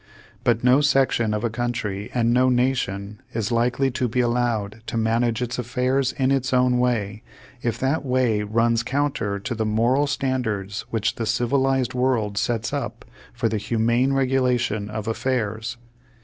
But no section of a country and no nation is likely to be allowed to manage its affairs in its own way if that way runs counter to the moral standards which the civilized world sets up for the humane regulation of affairs.